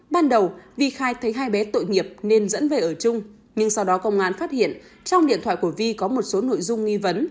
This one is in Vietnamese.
ban đầu vi khai thấy hai bé tội nghiệp nên dẫn về ở chung nhưng sau đó công an phát hiện trong điện thoại của vi có một số nội dung nghi vấn